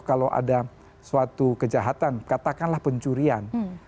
kalau ada suatu kejahatan katakanlah pencurian